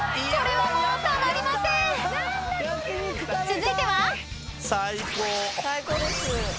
［続いては］